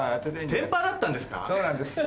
天パだったんですか？